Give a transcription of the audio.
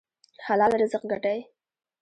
حلال رزق ګټئ